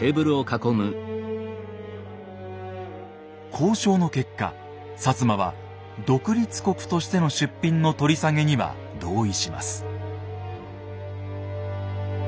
交渉の結果摩は独立国としての出品の取り下げには同意します。